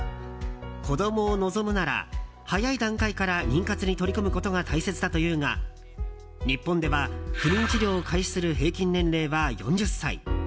子供を望むなら早い段階から妊活に取り組むことが大切だというが日本では不妊治療を開始する平均年齢は４０歳。